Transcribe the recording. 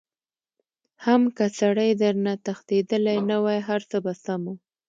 حم که سړی درنه تښتېدلی نه وای هرڅه به سم وو.